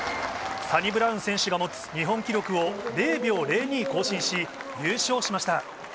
サニブラウン選手が持つ日本記録を０秒０２更新し、優勝しました。